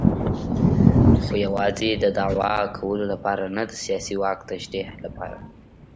خو یوازې د دوعا کولو لپاره نه د سیاسي واک تشریح لپاره.